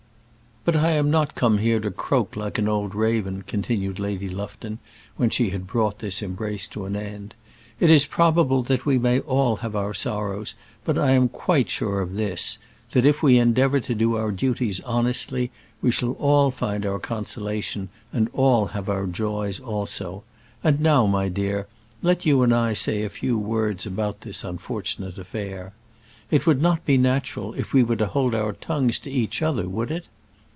"But I am not come here to croak like an old raven," continued Lady Lufton, when she had brought this embrace to an end. "It is probable that we all may have our sorrows; but I am quite sure of this, that if we endeavour to do our duties honestly, we shall all find our consolation and all have our joys also. And now, my dear, let you and I say a few words about this unfortunate affair. It would not be natural if we were to hold our tongues to each other; would it?"